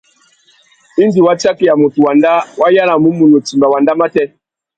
Indi wa tsakeya mutu wanda, wa yānamú munú timba wanda matê.